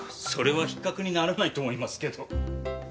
それは比較にならないと思いますけど。